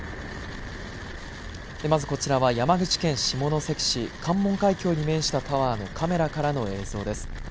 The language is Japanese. まずこちらは山口県下関市、関門海峡に面したタワーのカメラからの映像です。